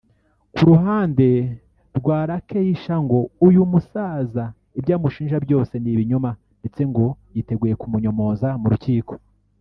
Ku ruhande rwa Lakeisha ngo uyu musaza ibyo amushinja byose ni ibinyoma ndetse ngo yiteguye kumunyomoza mu rukiko